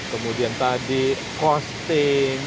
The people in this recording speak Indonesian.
kemudian tadi costing